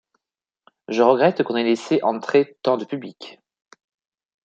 Je regrette qu’on ait laissé entrer tant de public.